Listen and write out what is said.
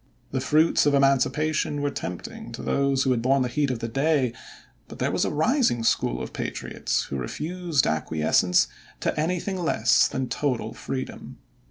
The fruits of Emancipation were tempting to those who had borne the heat of the day, but there was a rising school of patriots who refused acquiescence to anything less than total freedom.